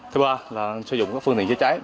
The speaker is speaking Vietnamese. thứ ba là sử dụng các phương tiện chữa cháy